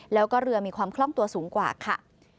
แล้วก็เรือมีความคล่องตัวสูงกว่าค่ะ